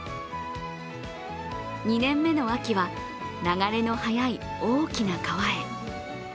２年目の秋は流れの速い大きな川へ。